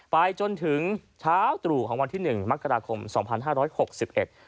ไปจนถึงเช้าตรู่ของวันที่หนึ่งมกราคมสองพันห้าร้อยหกสิบเอ็ด